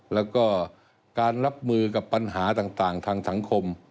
แล้วก็การรับมือกับปัญหาต่างทางสังคม